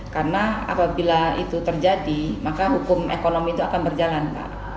karena apabila itu terjadi maka hukum ekonomi itu akan berjalan pak